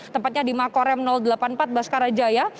tempatnya di makorem delapan puluh empat baskarajaya